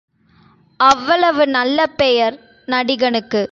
அவ்வளவு நல்ல பெயர் நடிகனுக்கு.